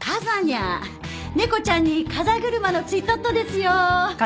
猫ちゃんに風車の付いとっとですよ。